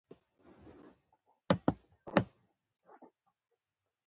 اوس په افغانستان کې د هر ذوق کتاب موندل کېږي.